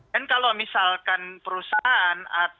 dan kalau misalkan perusahaan atau bank yang mencairkan kredit